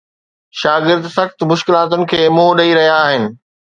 شاگرد سخت مشڪلاتن کي منهن ڏئي رهيا آهن